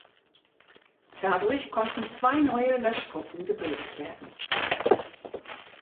Dadurch konnten zwei neue Löschgruppen gebildet werden.